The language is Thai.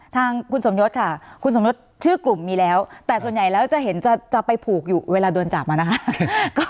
ทางคุณสมยศค่ะคุณสมยศชื่อกลุ่มมีแล้วแต่ส่วนใหญ่แล้วจะเห็นจะไปผูกอยู่เวลาโดนจับมานะคะ